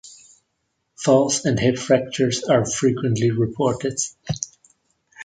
Falls and hip fractures are frequently reported.